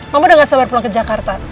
mama udah gak sabar pulang ke jakarta